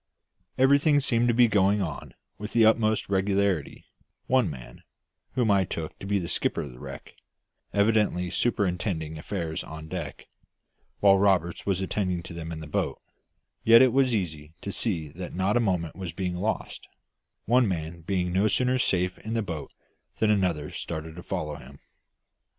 Everything seemed to be going on with the utmost regularity one man, whom I took to be the skipper of the wreck, evidently superintending affairs on deck, while Roberts was attending them in the boat yet it was easy to see that not a moment was being lost, one man being no sooner safe in the boat than another started to follow him.